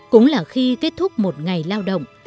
cũng là khi kết thúc một ngày lao động